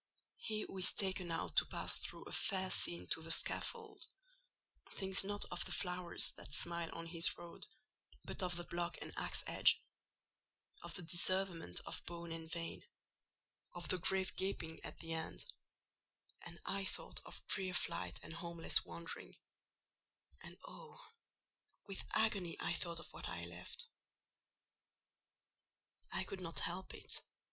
He who is taken out to pass through a fair scene to the scaffold, thinks not of the flowers that smile on his road, but of the block and axe edge; of the disseverment of bone and vein; of the grave gaping at the end: and I thought of drear flight and homeless wandering—and oh! with agony I thought of what I left. I could not help it.